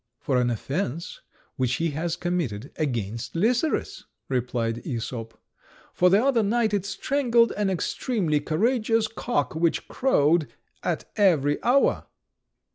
"For an offence which he has committed against Lycerus," replied Æsop; "for the other night it strangled an extremely courageous cock which crowed at every hour."